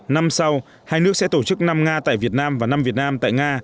năm sau hai nước sẽ tổ chức năm nga tại việt nam và năm việt nam tại nga